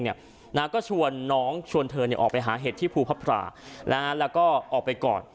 ก็ชวนน้องชวนเธอออกไปหาเห็ดที่ภูพราแล้วก็ออกไปก่อน